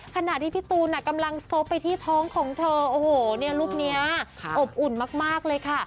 ขณะที่พี่ตูนกำลังซบไปที่ท้องของเธอโอ้โหเนี่ยรูปนี้อบอุ่นมากเลยค่ะ